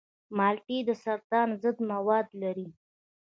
مالټې د سرطان ضد مواد لري.